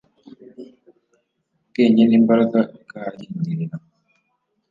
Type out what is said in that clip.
ubwenge nimbaraga bikahadindirira